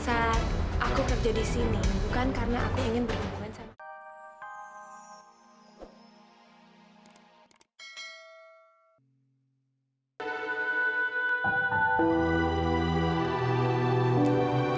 saat aku kerja di sini bukan karena aku ingin berhubungan sama